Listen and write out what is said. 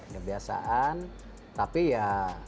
kebiasaan tapi ya